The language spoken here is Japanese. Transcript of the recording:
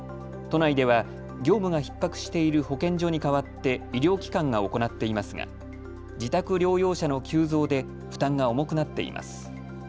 都内では業務がひっ迫している保健所に代わって医療機関が行っていますが自宅療養者の急増で負担が重くなっています。